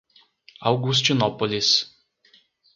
Augustinópolis